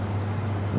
cơ quan công an